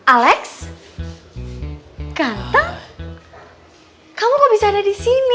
alex kanta kamu kok bisa ada di sini